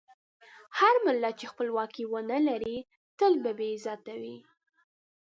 هر ملت چې خپلواکي ونه لري، تل به بې عزته وي.